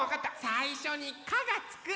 さいしょに「カ」がつくあれ！